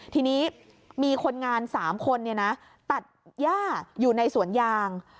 ทีนี้มีคนงาน๓คนตัดย่าอยู่ในสวนยาง